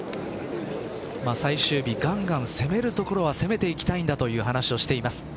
最終日、ガンガン攻めるところは攻めていきたいんだという話をしています。